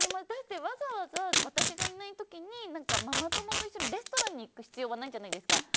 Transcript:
だってわざわざ私がいない時にママ友と一緒にレストランに行く必要はないじゃないですか。